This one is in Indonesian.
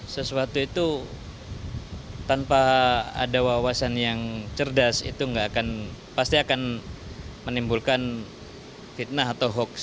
sesuatu itu tanpa ada wawasan yang cerdas itu nggak akan pasti akan menimbulkan fitnah atau hoax